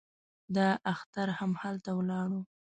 دا اختر هم هلته ولاړو.